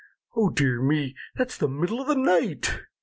"Oh, dear me! that's the middle of the night."